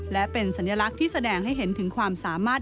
และเป็นสัญลักษณ์ที่แสดงให้เห็นถึงความสามารถ